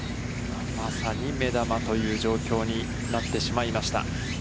まさに目玉という状況になってしまいました。